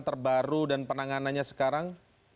terbaru dan penanganannya sekarang